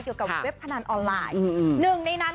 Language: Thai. เกี่ยวกับเว็บพนันออนไลน์